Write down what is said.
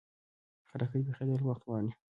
خټکی پخېدل وخت غواړي.